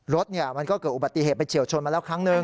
รถมันก็เกิดอุบัติเหตุไปเฉียวชนมาแล้วครั้งหนึ่ง